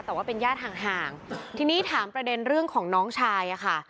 แต่ว่าเป็นญาติห่างห่างทีนี้ถามประเด็นเรื่องของน้องชายอะค่ะ